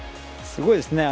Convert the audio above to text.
すごいですね。